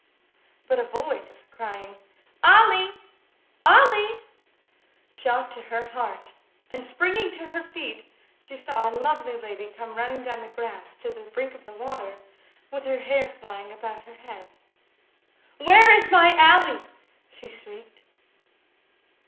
But a voice crying, "Ally! Ally!" shot to her heart, and springing to her feet she saw a lovely lady come running down the grass to the brink of the water with her hair flying about her head. "Where is my Ally?" she shrieked.